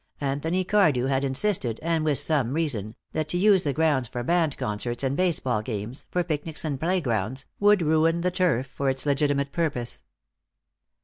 Anthony Cardew had insisted, and with some reason, that to use the grounds for band concerts and baseball games, for picnics and playgrounds, would ruin the turf for its legitimate purpose.